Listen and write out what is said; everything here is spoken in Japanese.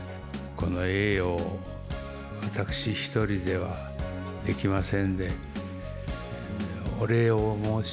この栄誉を私一人ではできません